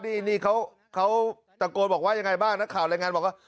นี่เขาตะโกนบอกว่ายังไงบ้างนักข่าวรายงานบอกว่า